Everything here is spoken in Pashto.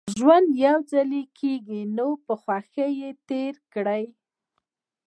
ژوند يوځل کېږي نو په خوښۍ يې تېر کړئ